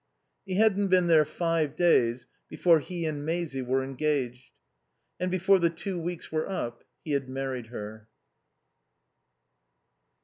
He hadn't been there five days before he and Maisie were engaged; and before the two weeks were up he had married her.